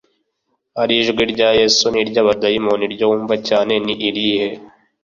Ari ijwi rya Yesu n’ iry’ Abadayimoni iryo wumva cyane ni irihe